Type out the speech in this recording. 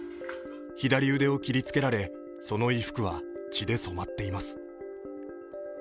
左腕を切りつけられその衣服は血で染まっています。